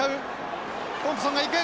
トンプソンがいく。